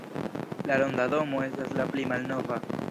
La ronda domo estas la pli malnova.